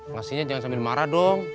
ngasihnya jangan sambil marah dong